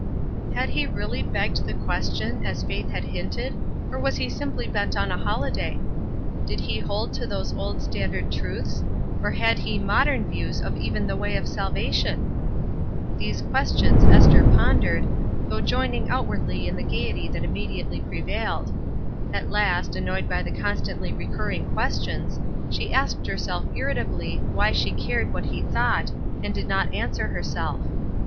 ^" Had he really begged the question, as Faith had hinted, or was he simply bent on a holiday ? Did he hold to those old standard truths, or had he modern views of even the way of salvation ? These questions Esther pondered, though joining outwardly in the gayety that immediately prevailed. At last, annoyed by the constantly recurring questions, she asked herself irritably why she cared what he thought, and did not answer herself.